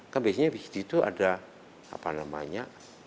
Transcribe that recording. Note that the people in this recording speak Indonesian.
kan biasanya di situ ada apa namanya